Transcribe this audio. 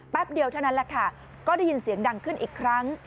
เดียวเท่านั้นแหละค่ะก็ได้ยินเสียงดังขึ้นอีกครั้ง